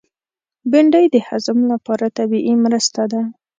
بېنډۍ د هضم لپاره طبیعي مرسته ده